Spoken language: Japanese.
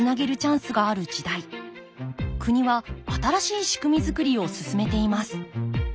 国は新しい仕組み作りを進めています。